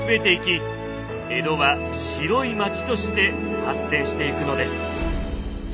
江戸は「白い町」として発展していくのです。